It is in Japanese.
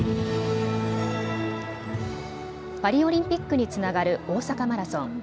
パリオリンピックにつながる大阪マラソン。